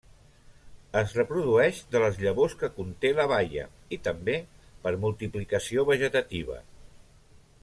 Es reprodueix de les llavors que conté la baia i també per multiplicació vegetativa.